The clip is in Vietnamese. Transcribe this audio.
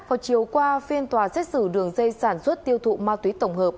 vào chiều qua phiên tòa xét xử đường dây sản xuất tiêu thụ ma túy tổng hợp